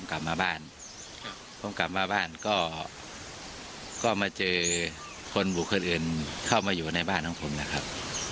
เข้ามาเจอคนบุคลอื่นเข้ามาอยู่ในบ้านของผมนะครับ